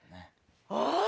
ああ！